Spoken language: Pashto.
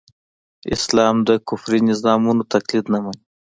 اسلام د کفري نظامونو تقليد نه مني.